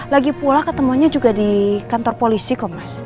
lagi pula ketemunya juga di kantor polisi kok mas